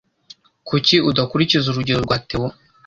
Kuki udakurikiza urugero rwa Theo?